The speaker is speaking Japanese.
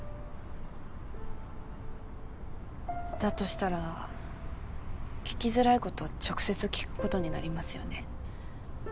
だとしたら聞きづらいことを直接聞くことになりますよね。